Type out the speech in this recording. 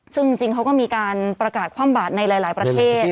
ซึ่งจริงเขาก็มีการประกาศความบาดในหลายประเทศ